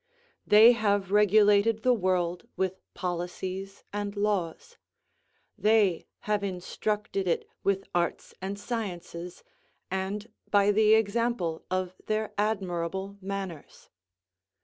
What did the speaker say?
They have regulated the world with policies and laws. They have instructed it with arts and sciences, and by the example of their admirable manners.